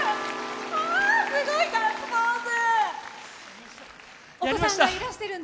すごい、ガッツポーズ！